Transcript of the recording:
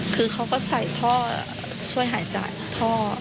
คือเขาก็ใส่ท่อช่วยหายใจท่อ